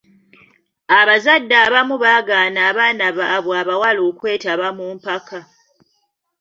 Abazadde abamu bagaana abaana baabwe abawala okwetaba mu mpaka.